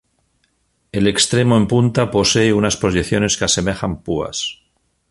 El extremo en punta posee unas proyecciones que asemejan púas.